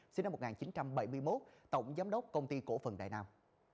sinh năm một nghìn chín trăm bảy mươi một tổng giám đốc công ty cổ phần đại nam